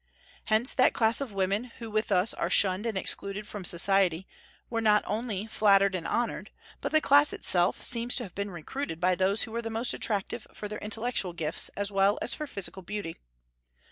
Hence, that class of women who with us are shunned and excluded from society were not only flattered and honored, but the class itself seems to have been recruited by those who were the most attractive for their intellectual gifts as well as for physical beauty.